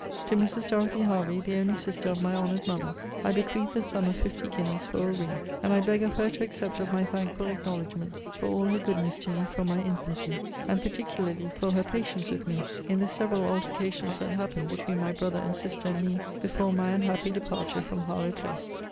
To Mrs. Dorothy Hervey, the only sister of my honoured mother, I bequeath the sum of fifty guineas for a ring; and I beg of her to accept of my thankful acknowledgements for all her goodness to me from my infancy; and particularly for her patience with me, in the several altercations that happened between my brother and sister and me, before my unhappy departure from Harlowe place.